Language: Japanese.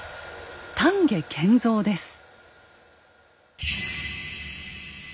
丹下健三です。